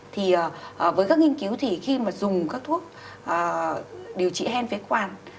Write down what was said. thì với các nghiên cứu thì khi mà dùng các thuốc điều trị hen phế quản